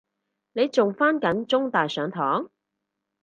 你仲返緊中大上堂？